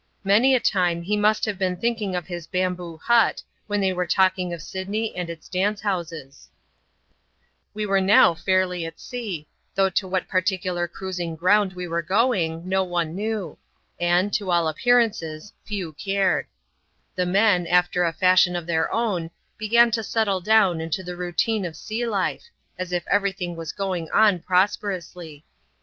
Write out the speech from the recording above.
Many a time he must have been thinking of his bamboo httt» when they were talking of Sydney and its dance We were now fairiy at sea, though to what particular cruis ing ground we were going, no one knew ; and» to all appear sncefl^ few cared* The men, after a fashion l&f their own, began IQ settle down into the routine of sea life, as if every thing was going on prosperously.